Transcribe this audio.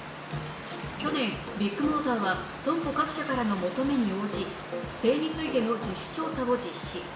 去年、ビッグモーターは損保各社からの求めに応じ不正についての自主調査を実施。